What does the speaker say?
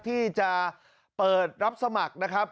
ที่จะเปิดรับสมัครนะครับ